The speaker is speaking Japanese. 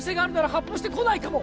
発砲してこないかも